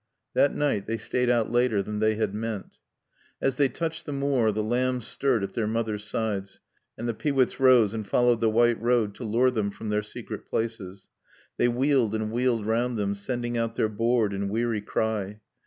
That night they stayed out later than they had meant. As they touched the moor the lambs stirred at their mothers' sides and the pewits rose and followed the white road to lure them from their secret places; they wheeled and wheeled round them, sending out their bored and weary cry.